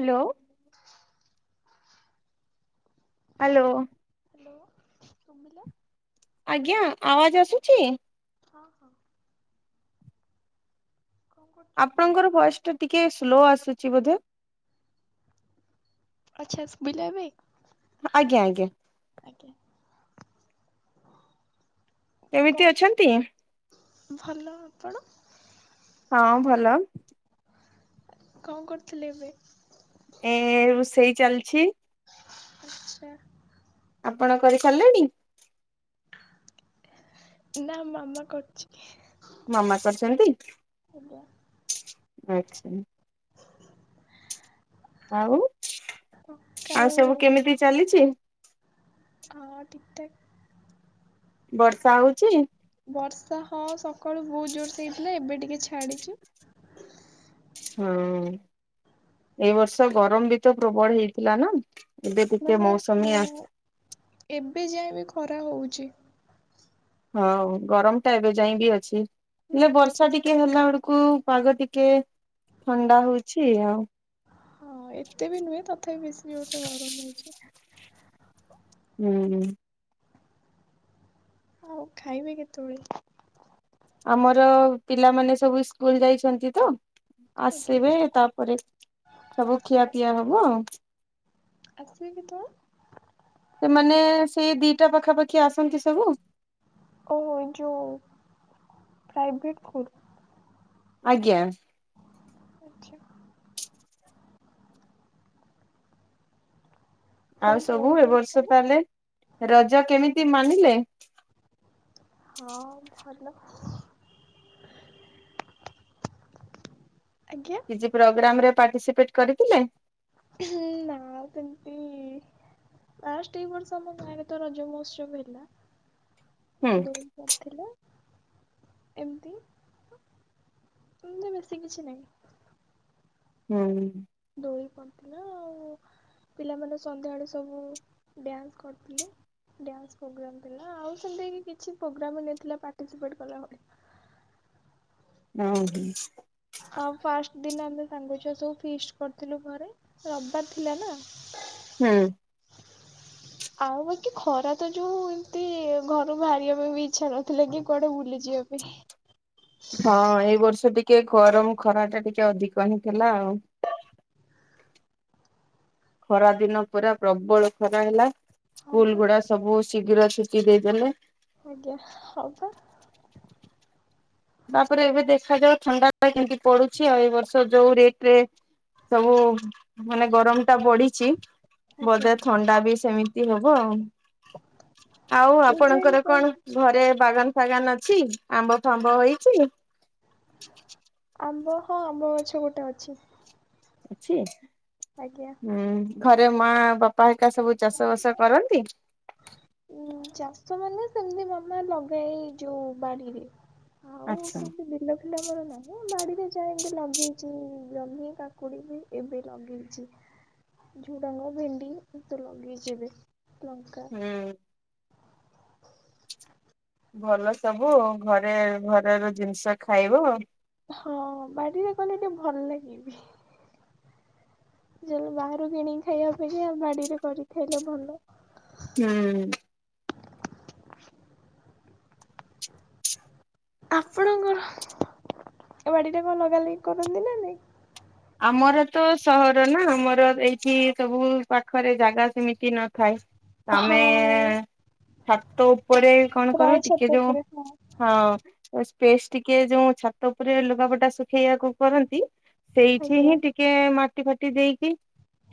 Hello. Hello. Hello କମିଲା। ଆଜ୍ଞା ଆୱଜ ଆସୁଛି। ହଁ ହଁ। କଣ କରୁଛନ୍ତି? ଆପଣଙ୍କର ଭଏସ ଟା ଟିକେ ସ୍ଲୋ ଆସୁଛି ବୋଧେ। ଆଚ୍ଛା ଶୁଭିଲା ଏବେ? ଆଜ୍ଞା ଆଜ୍ଞା। ଆଜ୍ଞା କେମିତି କଣ ଅଛନ୍ତି। ଭଲ ଆପଣ। ହଁ ଭଲ। କଣ କରୁଥିଲେ ଏବେ? ଏ ରୋଷେଇ ଚାଲିଛି। ଆଚ୍ଛା। ଆପଣ କରି ସାରିଲେଣି। ନା ମାମା କରୁଛି। ମାମା କରୁଛନ୍ତି ଆଜ୍ଞା ଆଛା। ଆଉ ଆଉ କାଳୁ ସବୁ କେମିତି ଚାଲିଛି? ହଁ ଠିକ୍ ଠାକ୍। ବର୍ଷା ହଉଚି? ବର୍ଷା ହଁ ସକାଳୁ ବହୁତ ଜୋରସେ ହେଇଥିଲା। ଏବେ ଟିକେ ଛାଡିଛି। ହଁ ଏଇ ବର୍ଷ ଗରମ ବି ତ ପ୍ରବଳ ହେଇଥିଲା ନା। ଏବେ ଟିକେ ମାନେ ମୌସମୀ ହଁ ଆସ ଏବେ ଯାଇ ବି ଖରା ହଉଛି। ହଁ ଗରମ ଟା ଏବେ ଯାଇ ବିି ଅଛି। ହୁଁ ହେଲେ ଯେ ବର୍ଷା ଟିକେ ହେଲା ବେଳ କୁ ପାଗ ଟିକେ ଥଣ୍ଡା ହୋଇଛି ଆଉ। ହଁ ଏତେ ବି ନୁହେଁ ତଥାପି ବେଶୀ ଜୋରସେ ଗରମ ହଉଛି। ହୁଁ। ଆଉ ଖାଇବେ କେତେବେଳେ? ଆମର ପିଲାମାନେ ସବୁ ସ୍କୁଲ ଯାଇଛନ୍ତି ତ। ଆସିବେ ଆଜ୍ଞା ତାପରେ ସବୁ ଖିଆ ପିଆ ହବ ଆଉ। ଆସିବେ କେତେବେଳେ। ସେମାନେ ସେଇ ଦିଟା ପାଖାପାଖି ଆସନ୍ତି ସବୁ। ଓ ଯୋଉ ପ୍ରାଇଭେଟ ଫୁଡ। ଆଜ୍ଞା। ଆଚ୍ଛା। ଆଉ କଣ ସବୁ ଏ ପଢୁଛନ୍ତି ବର୍ଷ ସବୁ? ତାହେଲେ ରଜ କେମିତି ମାନିଲେ। ହଁ ଭଲ। [inaudible] କିଛି ପ୍ରୋଗ୍ରାମ ରେ ପାର୍ଟିସିପେଟ କରିଥିଲେ? ହୁଁ-ନାଁ ଆଉ ସେମତି। ଆଷ୍ଟ ଏଇ ବର୍ଷ ଆମ ଗାଁରେ ତ ରଜ ମହୋତ୍ସବ ହେଲା। ହୁଁ ଦ କରିଥିଲେ ଏମିତି ବେଶୀ କିଛି ନାହିଁ। ହୁଁ। [unintelligible] ଆଉ ପିଲାମାନେ ସନ୍ଧ୍ୟା ଆଳୁ ସବୁ ଡ୍ୟାନ୍ସ କରିଥିଲେ। ଡାନ୍ସ ପ୍ରୋଗ୍ରାମ୍ ଥିଲା। ଆଉ ସେମତି କିଛି ପ୍ରୋଗ୍ରାମ ନଥିଲା ପାର୍ଟିସିପେଟ କଲା ଭଳି। [inaudible] ହଁ ହଁ। ଆଉ ଫାଷ୍ଟ ଦିନ ଆମେ ସାଙ୍ଗଛୁଆ ସବୁ ଫିଷ୍ଟ କରିଥିଲୁ ଘରେ ରବିବାର ଥିଲା ନା। ହୁଁ। [inaudible] ଆଉ ବାକି ଖରା ତ ଯୋଉ ଏମିତି ଘରୁ ବାହାରିବା ପାଇଁ ବି ଇଚ୍ଛା ନଥିଲା କି କୁଆଡେ ବୁଲିଯିବା ବା ପାଇଁ। ହଁ ଏଇ ବର୍ଷ ଟି ଟିକେ ଗରମ ଖରା ଟା ଟିକେ ଅଧିକ ହିଁ ଥିଲା ଆଉ। ଖରା ଦିନ ପୁରା ପ୍ରବଳ ଖରା ହେଲା। ହଁ ସ୍କୁଲ ପା ଗୁଡା ସବୁ ଶୀଘ୍ର ଟିକେ ଦେଇଦେଲେ। ଆଜ୍ଞା ହଁ ପା। ତାପରେ ଏବେ ଦେଖାଯାଉ ଥଣ୍ଡାଟା କେମିତି ପଡୁଛି। ଆଉ ଏ ବର୍ଷ ଯୋଉ ରେଟ ରେ ସବୁ ମାନେ ଗରମ ଟା ବଢିଛି, ଆଜ୍ଞା ବୋଧେ ଥଣ୍ଡା ବି ସେମିତି ହବ ଆଉ। ଆଉ ଆପଣଙ୍କର କଣ ଘରେ ବାଗାନ ଫାଗାନ ଅଛି ଆମ୍ବ ଫାମ୍ବ ହେଇ? [inaudible] ଆମ୍ବ ହଁ ଆମ୍ବ ଗଛ ଗୋଟେ ଅଛି। ଅଛି। ଆଜ୍ଞା। ହଁ ଘରେ ମା, ବାପା ସବୁ ଚାଷ ବାସ କରନ୍ତି। ଉ ଚାଷ ମାନେ ସେମିତି ମାମା ଲଗାଏ ଯୋଉ ବାଡିରେ। ଆଉ ଆଚ୍ଛା। ସେମତି ବିଲ ଫିଲ ଆମର ନାହିଁ। ବାଡିରେ ଯା ଏମତି ଲଗେଇଛି ଜହ୍ନି, କାକୁଡି ବି ଏବେ ଲଗେଇଛି। ଝୁଡଙ୍ଗ, ଭେଣ୍ଡି ଏତେ ଲଗେଇଛି ବି। ଲଙ୍କା, ହୁଁ ଭଲ ସବୁ ଘରେ ଘରର ଜିନିଷ ଖାଇବ। ହଁ ବାଡ଼ିରେ ଗଲେ ଟିକେ ଭଲ ଲାଗେ ବି। ଯୋଉ ବାହାରୁ କିଣିକି ଖାଇବା ଅପେକ୍ଷା, ବାଡିରେ କରିକି ଖାଇଲେ ଭଲ। ହୁଁ। ଆପଣଙ୍କର ବାଡିଟା କଣ ଲଗା ଲଗି କରନ୍ତି ନା ନାଇଁ? ଆମର ତ ସହର ନା ଆମର ଏଇଠି ସବୁ ପାଖରେ ଜାଗା ସେମିତି ନଥାଏ। ଆମେ ହଁ ଛାତ ଉପରେ କଣ ପ୍ରାୟ କରୁ ଛାତ ଟିକେ ଯୋଉ। ଉପରେ ହଁ ହଁ ସ୍ପେସ ଟିକେ ଯୋଉ ଛାତ ଉପରେ ଲୁଗାପଟା ଶୁଖେଇବାକୁ କରନ୍ତି। ସେଇଠି ଆଜ୍ଞା ହିଁ ଟିକେ ମାଟି ଫାଟି ଦେଇକି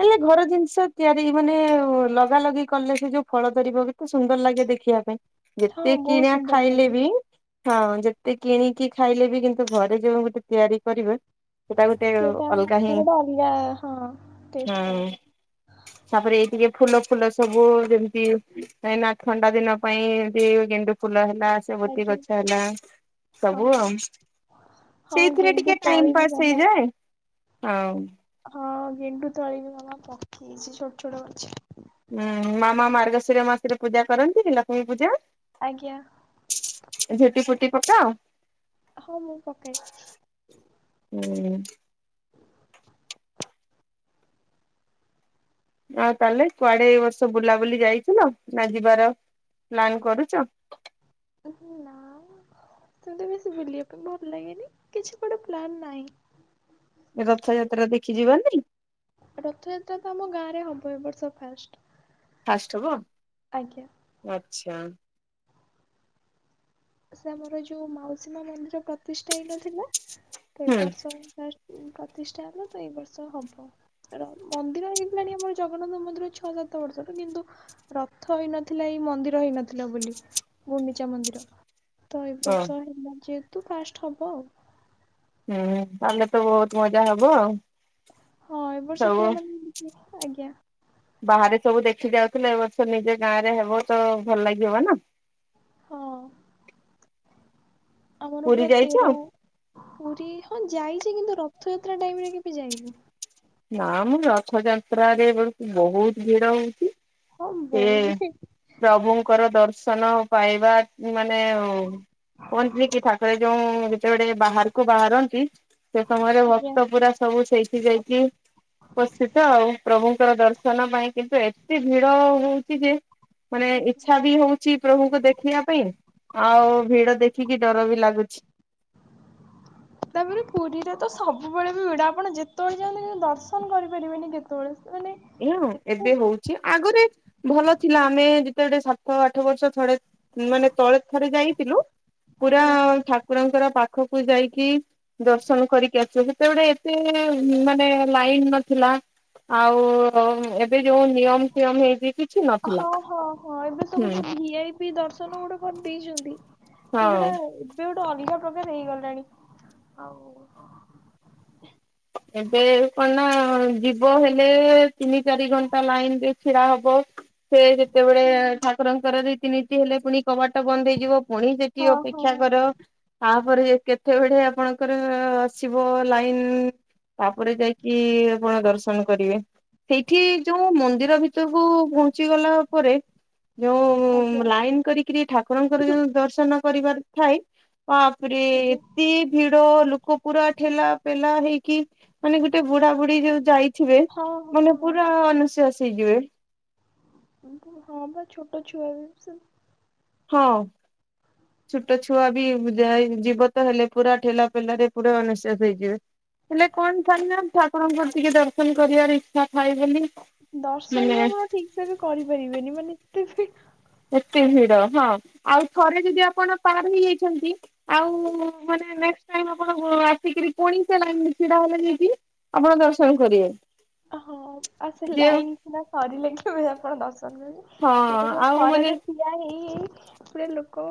ହେଲେ ଘର ଜିନିଷ ତିଆରି ମାନେ ଲଗା ଲଗି କଲେ। ସେ ଯୋଉ ଫଳ ଧରିବ କେତେ ସୁନ୍ଦର ଲାଗେ ଦେଖ ଦେଖିବା ପାଇଁ। ହଁ ଯେତେ ବହୁତ କିଣା ସୁନ୍ଦର ଖାଇଲେ ଲାଗେ। ବି, ହଁ ଯେତେ କିଣିକି ଖାଇଲେ ବି, କିନ୍ତୁ ଘରେ ଯେଉଁ ଗୋଟେ ତିଆରି କରିବେ। ସେଟା ଗୋଟେ ସେଇଟା ଅଲଗା ହିଁ। ତାର ଗୋଟେ ଅଲଗା ହଁ ଟେଷ୍ଟ ଥାଏ ତାର ହୁଁ। ତାପରେ ଏଇଥିରେ ଫୁଲ ଫୁଲ ସବୁ ଯେମିତି କହିଁକିନା ଥଣ୍ଡା ଦିନ ପାଇଁ ଏମତି ଗେଣ୍ଡୁ ଫୁଲ ହେ ହେଲା, ସେବତି ଆଜ୍ଞା ଗଛ ହେଲା ସବୁ ହଁ। ଆଉ। ହଁ ସେଇଥିରେ ଗେଣ୍ଡୁ ଟିକେ ତଳି ଟାଇମ ବି ପାସ୍ ମାମା ହେଇଯାଏ ଆଉ ହଁ ଗେଣ୍ଡୁ ତଳିିବ ମା ପକେଇଛି। ଛୋଟ ଛୋଟ ଗଛ। ହୁଁ ମାମା ମାର୍ଗଶିର ମାସରେ ପୂଜା କରନ୍ତିନି କି ଲକ୍ଷ୍ମୀ ପୂଜା? ଆଜ୍ଞା। ଝୋଟି ଫୋଟି ପକାଅ? ହଁ ମୁଁ ପକାଏ। ହୁଁ। ଆଉ ତାହେଲେ କୁଆଡେ ଏ ବର୍ଷ ବୁଲାବୁଲି ଯାଇଥିଲ ନା ଯିବାର ପ୍ଲାନ୍ କରୁଛ? ହ ନା ମତେ ତ ବେଶୀ ବୁଲିବା ପାଇଁ ଭଲ ଲାଗେନି କିଛି ଗୋଟେ ପ୍ଲାନ ନାହିଁ। ରଥଯାତ୍ରା ଦେଖି ଯିବାନି? ରଥଯାତ୍ରା ତ ଆମ ଗାଁରେ ହବ ଏ ବର୍ଷ ଫାଷ୍ଟ। ଫାଷ୍ଟ ହବ ଆଜ୍ଞା ଆଚ୍ଛା। ସେ ଆମର ଯୋଉ ମାଉସୀ ମା ମନ୍ଦିର ପ୍ରତିଷ୍ଠା ହେଇନଥିଲା ଏ ହୁଁ ବର୍ଷ ଫାର୍ଷ୍ଟ୍ [unintelligible] ପ୍ରତିଷ୍ଠା ହେଲା ତ ଏଇ ବର୍ଷ ହବ। ର ମନ୍ଦିର ହେଇଗଲାଣି ଆମର ଜଗନ୍ନାଥ ମନ୍ଦିର ଛଅ ସାତ ବର୍ଷ ର କିନ୍ତୁ ରଥ ହେଇନଥିଲା ଏଇ ମନ୍ଦିର ହେଇନଥିଲା ବୋଲି ଘୁଣ୍ଡିଚା ମନ୍ଦିର। ତ ଏ ଓ ବର୍ଷ ହେବ ଯେହେତୁ ଫାର୍ଷ୍ଟ ହବ ଆଉ। ହୁଁ ତାହେଲେ ତ ବହୁତ ମଜା ହବ ଆଉ। ହଁ ଏବ ବର୍ଷ ସବୁ ପୁରା ମାନେ ଆଜ୍ଞା। ବାହାରେ ସବୁ ଦେଖି ଯାଉଥିଲେ ଏବ ବର୍ଷ ନିଜ ଗାଁ ରେ ହେବ ତ ଭଲ ଲାଗିବ ନା। ହଁ ଆମର ପୁରୀ ପୁରା ଯାଇଛ? ତେର ପୁରୀ ହଁ ଯାଇଛି। କିନ୍ତୁ ରଥଯାତ୍ରା ଟାଇମରେ କେବେ ଯାଇନି। ନାମ ରଥଯାତ୍ରା ରେ ବେଳକୁ ବହୁତ ଭିଡ଼ ହଉଛି। ହଁ ଏ ବହୁତ ଭିଡ଼। ପ୍ରଭୁଙ୍କର ଦର୍ଶନ ପାଇବା ମାନେ [unintelligible] କୁହନ୍ତିନି କି ଠାକୁର ଯୋଉ ଯେତେବେଳେ ବାହାରକୁ ବାହାରନ୍ତି ସେ ସମୟରେ ଆଜ୍ଞା ଭକ୍ତ ପୁରା ସବୁ ସେଇଠି ଯାଇକି ଉପସ୍ଥିତ ଆଉ ପ୍ରଭୁଙ୍କର ଦର୍ଶନ ପାଇଁ କିନ୍ତୁ ଏତେ ଭିଡ଼ ହଉଛି ଯେ ମାନେ ଆଜ୍ଞା। ଇଚ୍ଛା ବି ହଉଛି ପ୍ରଭୁଙ୍କୁ ଦେଖିବା ପାଇଁ ଆଉ ଭିଡ଼ ଦେଖିକି ଡର ବି ଲାଗୁଛି। ତାପରେ ପୁରୀରେ ତ ସବୁବେଳେ ବି ଭିଡ଼ ଆପଣ ଯେତେବେଳେ ଯାଆନ୍ତୁ କିନ୍ତୁ ଦର୍ଶନ କରିପାରିବେନି କେତେବେଳେ। ମାନେ ନା ଏବେ ହଉଛି। ଆଗରୁ ଭଲ ଥିଲା ଆମେ ଯେତେବେଳେ ସାତ ଆଠ ବର୍ଷ ଥଡେ ମାନେ ତଳେ ଥରେ ଯାଇଥିଲୁ ପୁରା ଆଜ୍ଞା ଠାକୁରଙ୍କର ପାଖ ପାଖକୁ ଯାଇକି ଦର୍ଶନ କରିକି ଆସିବ ସେତେବେଳେ ଏତେ ମାନେ ଲାଇନ ନଥିଲା ଆଉ ଏ ଏବେ ଯୋଉ ନିୟମ ଫିୟମ ହେଇଛି କିଛି ନଥିଲା ହୁଁ। ବି ଦର୍ଶନ ଗୋଟେ କରି ଦେଇଛନ୍ତି ତ ସେଟା ହଁ। ଏବେ ଗୋ ତ ଅଲଗା ପ୍ରକାର ହେଇଗଲାଣି ଆଉ ଏବେ କଣ ନା ଯିବ ହେଲେ ତିନି ଚାରି ଘଣ୍ଟା ଲାଇନରେ ଛିଡା ହବ ସେ ଯେତେବେଳେ ଠାକୁରଙ୍କର ରୀତିନୀତି ହେଲେ ପୁଣି କବାଟ ବନ୍ଦ ହେଇଯିବ ପୁଣି ସେଠି ହଁ ଅପେକ୍ଷା ହଁ କର ଆଉ ତାପରେ କେତେବେଳେ ଆପଣଙ୍କର ଅ ଆସିବ ଲାଇନ ତାପରେ ଯାଇକି ଆପଣ ଦର୍ଶନ କରିବେ। ସେଇଠି ଯୋଉ ମନ୍ଦିର ଭିତରକୁ ପହଞ୍ଚି ଗଲା ପରେ ଯୋଉ ଉ ଆଜ୍ଞା ଲାଇନ କରିକିରି ଠାକୁରଙ୍କର ଯୋଉ ଦର୍ଶନ କରିବାର ଥାଏ ବାବରେ ଆଜ୍ଞା ଏତେ ଭିଡ ଲୋକ ପୁରା ଠେଲା ପେଲା ହେଇ କି ମାନେ ଗୋଟେ ବୁଢ଼ା ବୁଢ଼ୀ ଯୋଉ ଯାଇଥିବେ ହଁ ମାନେ ହଁ ପୁରା ଅଣନିଃଶ୍ବାସ ହେଇଯିବେ। ହଁ ବା ଛୋଟ ଛୁଆବି ସେ ହଁ ଛୋଟ ଛୁଆ ବି ଯାଇ ଯିବ ତ, ହେଲେ ପୁରା ଠେଲା ପେଲାରେ ପୁରା ଅନିଶ୍ୱାସୀ ହେଇଯିବେ। ହେଲେ କଣ [unintelligible] ଠାକୁରଙ୍କର ଟିକେ ଦର୍ଶନ କରିବାର ଇଚ୍ଛା ଥାଏ ବୋଲି ଦର୍ଶନ ବି ମାନେ ଆପଣ ଠିକ ସେ ବି କରିପାରିବେନି ମାନେ ଏତେ। [unintelligible] ଏତେ ଭିଡ? ହଁ ଆଉ ଥରେ ଯଦି ଆପଣ ପାର ହେଇଯାଇଛନ୍ତି, ଆଉ ମାନେ ନେକ୍ସଟ ଟାଇମ ଆପଣ ଆସିକିରି ପୁଣି ସେ ଲାଇନ ରେ ଛିଡ଼ାହେଲେ ହେଲେ ଯାଇକି, ଆପଣ ଦର୍ଶନ କରିବେ। ହଁ ଆଉ, ସେ ଯେ ଲାଇନ୍ କିନା ସରିଲେ କେ ଆପଣ ଦର୍ଶନ କରିବେ। ହଁ ସେ ତ ଯୋଉ ଆଉ ମାନେ ଖରାରେ ଠିଆ ହେଇ ହେଇ ପୁରା ଲୋକ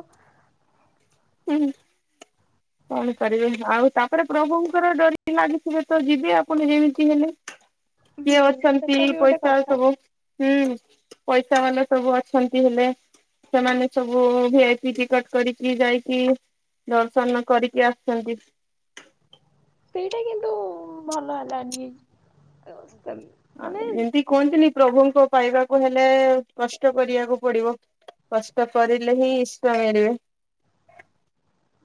ହୁଁ। କଣ କରିବେ -ଆଉ ତାପରେ ପ୍ରଭୁଙ୍କର ଡୋରି ଲାଗିଥିଲେ ତ, ଯିବେ ଆପଣ ଯେମିତି ହେଲେ। କିଏ ହୁଁ ଅଛନ୍ତି ସେଟା ବି ଗୋଟେ ପଇସା କଥା ସବୁ, ହୁଁ ପଇସା ବାଲା ସବୁ ଅଛନ୍ତି, ହେଲେ ସେମାନେ ସବୁ ଭି ଆଇ ପି ଟିକଟ କରିକି ଯାଇକି, ଦର୍ଶନ କରିକି ଆସୁଛନ୍ତି। ସେଇଟା କିନ୍ତୁ ଭଲ ହେଲାନି ଟିକେ। ଏମିତି କୁହନ୍ତିନି ପ୍ରଭୁଙ୍କ ପାଇବାକୁ ହେଲେ, କଷ୍ଟ କରିବାକୁ ପଡିବ। କଷ୍ଟ କରିଲେ ହିଁ ଇଷ୍ଟା ମିଳିବେ। [inaudible]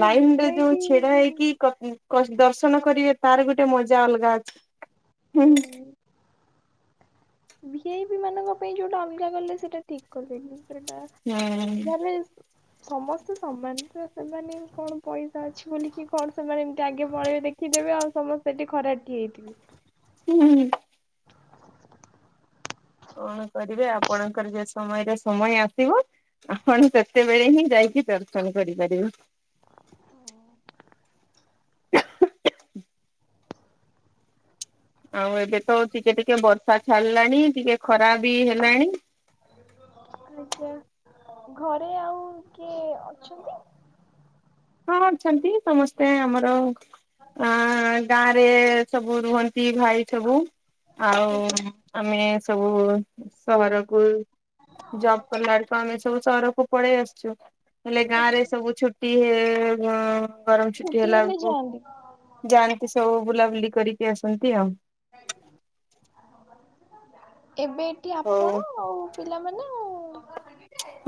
ଯୋଉ ଯଉ ଭିଆଇପି ଛିଡା ହେଇକି ହୁଁ କ ଦର୍ଶନ କରିବେ, ତାର ଗୋଟେ ମଜା ଅଲଗା ଅଛି। ହୁଁ। ଭି ଆଇ ପି ମାନଙ୍କ ପାଇଁ ଯୋଉଟା ଅଲଗା ଗଲେ ସେଇଟା ଠିକ କଲେନି। [unintelligible] ସମସ୍ତେ ସମାନ ତ ସେମାନେ କଣ ପଇସା ଅଛି ବୋଲିକି କଣ ସେମାନେ ଏମିତି ଆଗେ ପଳେଇବେ, ଦେ ଦେଖିଦେବେ, ଆଉ ସମସ୍ତେ ସେଠି ଖରାରେ ଠିଆ ହେଇଥିବେ। ହୁଁ। କଣ କରିବେ ଆପଣଙ୍କର ଯେ ସମୟରେ ସମୟ ଆସିବ, ଆପଣ ସେତେବେଳେ ହିଁ ଯାଇ କି ଦର୍ଶନ କରିପାରିବ। [unintelligible] ଆଉ ଏବେ ତ ଟିକେ ଟିକେ ବର୍ଷା ଛାଡିଲାଣି ଟିକେ ଖରା ବି ହେଲାଣି। ଆଛା, ଘରେ ଆଉ କିଏ ଅଛନ୍ତି? ହଁ ଅଛନ୍ତି, ସମସ୍ତେ ଆମର ଆଁ ଗାଁରେ ସବୁ ରୁହନ୍ତି, ଭାଇ ସବୁ। ଆଉ, ଆଜ୍ଞା ଆମେ ସବୁ ସହରକୁ ଜବ କଲା ବେଳକୁ, ଆମେ ସବୁ ସହରକୁ ପଳେଇ ଆସିଛୁ, ହେଲେ ଗାଁ ରେ ଆଚ୍ଛା। ସବୁ ଛୁଟି ହେ ଗରମ ଛୁଟି ହେଲା ହେଲେ ଯାଆନ୍ତି। ବେଳକୁ [unintelligible] ସବୁ ବୁଲାବୁଲି କରିକି ଆସନ୍ତି ଆଉ। ଏବେ ଏଠି ହଉ ଆପଣ ଆଉ ପିଲାମାନେ? ଆଉ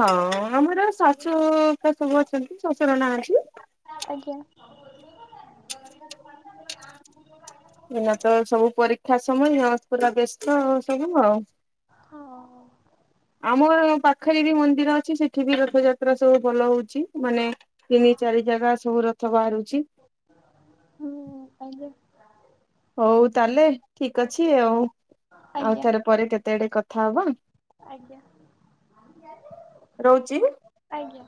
ହଁ ଆମର ଶାଶୁପା ସବୁ ଅଛନ୍ତି, ଶଶୁର ନାହାନ୍ତି। ଆଜ୍ଞା। ହେଲା ତ ସବୁ ପରୀକ୍ଷା ସମୟ, ପୁରା ବ୍ୟସ୍ତ ସବୁ ଆଉ। ହଁ। ଆମର ପାଖରେ ବି ମନ୍ଦିର ଅଛି, ସେଠି ବି ରଥଯାତ୍ରା ସବୁ ଭଲ ହଉଛି, ମାନେ ତିନି ଚାରି ଜାଗା ସବୁ ରଥ ବାହାରୁଛି। ହୁଁ, ଆଜ୍ଞା। ହଉ ତାହେଲେ ଠିକ ଅଛି ଆଉ, ଆଜ୍ଞା ଆଉଥର ପରେ କେତେ ଆଡେ କଥା ହବା। ଆଜ୍ଞା। ରହୁଛି? ଆଜ୍ଞା।